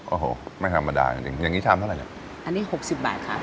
โอ้โหไม่ธรรมดาจริงจริงอย่างงี้ชามเท่าไหรเนี่ยอันนี้หกสิบบาทค่ะ